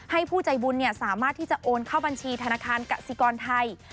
ผู้ใจบุญสามารถที่จะโอนเข้าบัญชีธนาคารกสิกรไทย